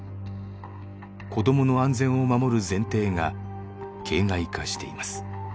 子どもの安全を守る前提が形骸化しています。